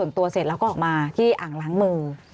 ทำธุระส่วนตัวเสร็จแล้วก็ออกมาที่อ่างล้างมือ